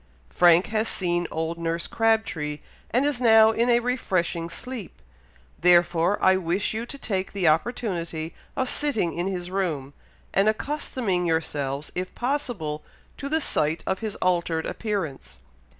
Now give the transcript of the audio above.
Frank has seen old nurse Crabtree, and is now in a refreshing sleep, therefore I wish you to take the opportunity of sitting in his room, and accustoming yourselves, if possible, to the sight of his altered appearance.